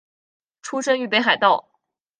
出身于北海道。